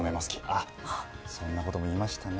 あっそんなことも言いましたね。